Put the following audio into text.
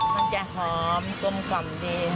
มันจะหอมกลมกล่อมดี